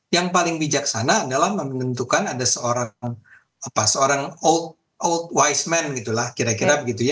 yang paling bijaksana adalah mementukan ada seorang apa seorang old wise man gitu lah kira kira begitu ya